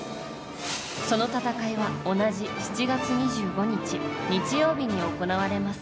その戦いは、同じ７月２５日日曜日に行われます。